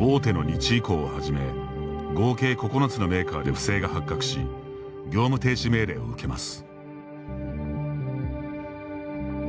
大手の日医工をはじめ合計９つのメーカーで不正が発覚し業務停止命令を受けます。